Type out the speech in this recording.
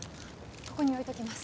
ここに置いときます